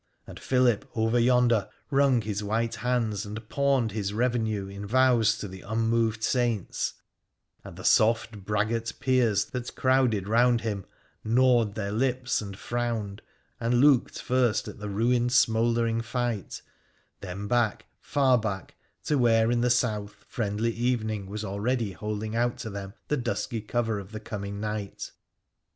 And Philip, over yonder, wrung his white hands and pawned his revenue in vows to the unmoved saints ; and the soft, braggart peers that crowded round him gnawed their lips and frowned, and looked first at the ruined, smouldering fight, then back — far back — to where, in the south, friendly evening was already holding out to them the dusky cover of the coming night.